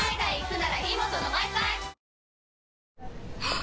あ！